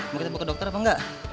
mau kita bawa ke dokter apa enggak